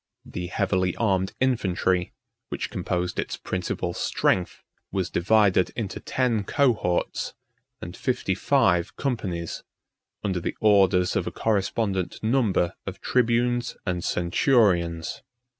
42 The heavy armed infantry, which composed its principal strength, 43 was divided into ten cohorts, and fifty five companies, under the orders of a correspondent number of tribunes and centurions.